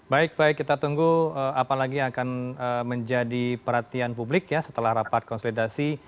baik baik kita tunggu apalagi yang akan menjadi perhatian publik ya setelah rapat konsolidasi